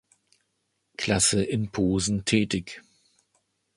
Klasse in Posen tätig.